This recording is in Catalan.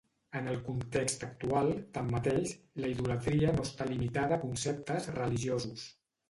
En el context actual, tanmateix, la idolatria no està limitada a conceptes religiosos.